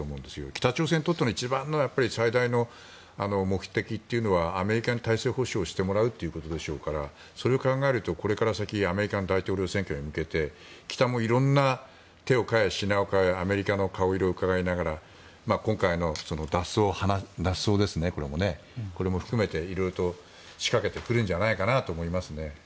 北朝鮮にとっての一番の最大の目的というのはアメリカに体制保証をしてもらうということでしょうからそれを考えると、これから先アメリカの大統領選挙に向けて北もいろんな手を変え品を変えアメリカの顔色をうかがいながら今回の脱走を含めていろいろと仕掛けてくるんじゃないかと思います。